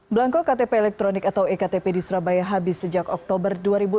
belangko ktp elektronik atau ektp di surabaya habis sejak oktober dua ribu enam belas